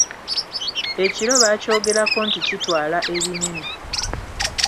Ekiro baakyogerako nti kitwala ebinene.